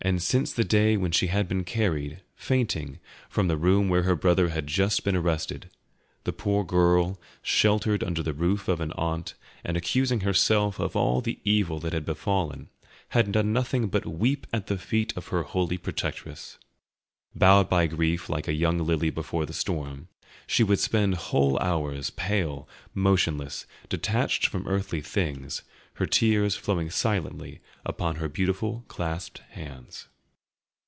Since the day when she had been carried, fainting, from the room where her brother had just been arrested, the poor girl, sheltered under the roof of an aunt, and accusing herself of all the evil that had befallen, had done nothing but weep at the feet of her holy protectress. Bowed by grief like a young lily before the storm, she would spend whole hours, pale, motionless, detached from earthly things, her tears flowing silently upon her beautiful clasped hands.